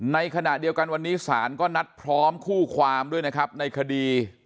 ในขณะเดียวกันวันนี้ศาลก็นัดพร้อมคู่ความด้วยนะครับในคดี